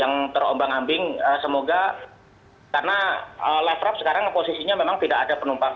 yang terombang ambing semoga karena lafraft sekarang posisinya memang tidak ada penumpang